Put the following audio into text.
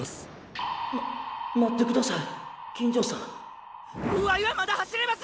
ま待って下さい金城さんワイはまだ走れます！